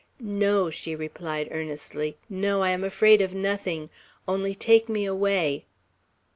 "No!" she replied earnestly. "No! I am afraid of nothing! Only take me away!"